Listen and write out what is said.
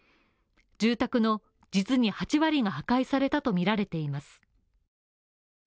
住宅の実に８割が破壊されたとみられています。